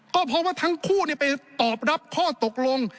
ก็เพราะว่าทั้งคู่ไปตอบรับข้อตกลง